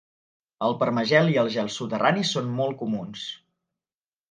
El permagel i el gel soterrani són molt comuns.